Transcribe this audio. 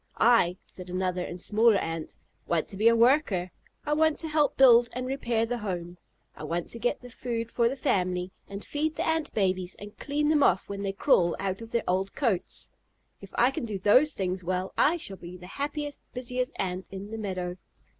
"I," said another and smaller Ant, "want to be a worker. I want to help build and repair the home. I want to get the food for the family, and feed the Ant babies, and clean them off when they crawl out of their old coats. If I can do those things well, I shall be the happiest, busiest Ant in the meadow."